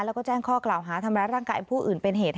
แล้วก็แจ้งข้อกล่าวหาทำร้ายร่างกายผู้อื่นเป็นเหตุ